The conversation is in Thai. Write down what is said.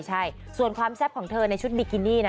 ใช่ส่วนความแซ่บของเธอในชุดบิกินี่